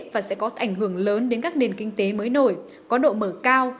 và sẽ có ảnh hưởng lớn đến các nền kinh tế mới nổi có độ mở cao